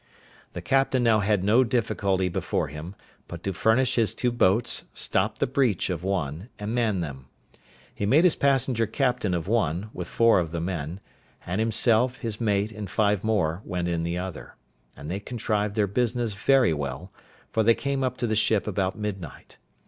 The captain now had no difficulty before him, but to furnish his two boats, stop the breach of one, and man them. He made his passenger captain of one, with four of the men; and himself, his mate, and five more, went in the other; and they contrived their business very well, for they came up to the ship about midnight.